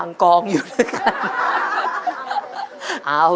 ขอบคุณครับ